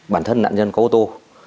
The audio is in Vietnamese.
bản thân nạn nhân có ô tô